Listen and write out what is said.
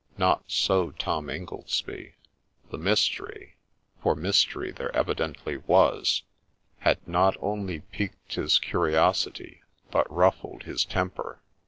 Not so Tom Ingoldsby : the mystery, — for mystery there evidently was, — had not only piqued his curiosity, but ruffled his temper.